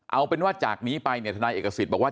เอาเป็นว่าจากนี้ไปเนี่ยทนายเอกสิทธิ์บอกว่า